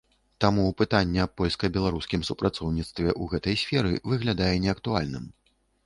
Таму пытанне аб польска-беларускім супрацоўніцтве ў гэтай сферы выглядае неактуальным.